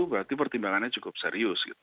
berarti pertimbangannya cukup serius